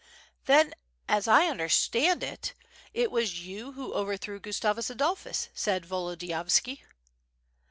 "Then as I understand it, it was you who overthrew Gus tavus Adolphus," said Volodiyovski.